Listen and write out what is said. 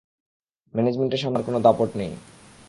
ম্যানেজমেন্টের সামনে আমার কোনো দাপট নেই।